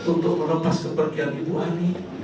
untuk melepas kepergian ibu ani